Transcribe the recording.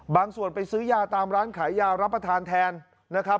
ส่วนไปซื้อยาตามร้านขายยารับประทานแทนนะครับ